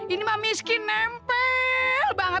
ini mah miskin nempel banget